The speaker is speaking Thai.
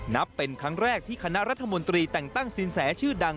นับเป็นครั้งแรกที่คณะรัฐมนตรีแต่งตั้งสินแสชื่อดัง